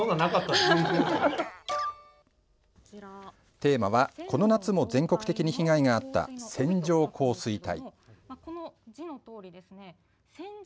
テーマは、この夏も全国的に被害があった線状降水帯。